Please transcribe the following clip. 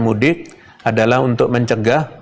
mudik adalah untuk mencegah